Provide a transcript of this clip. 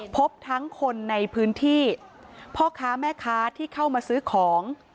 พบทั้งคนในพื้นที่พ่อค้าแม่ค้าที่เข้ามาซื้อของ